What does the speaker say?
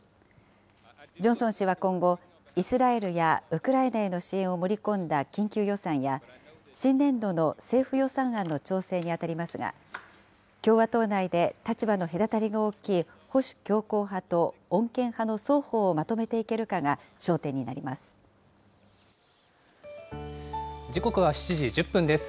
ジョンソン氏は今後、イスラエルやウクライナへの支援を盛り込んだ緊急予算や新年度の政府予算案の調整に当たりますが、共和党内で立場の隔たりが大きい保守強硬派と穏健派の双方をまと時刻は７時１０分です。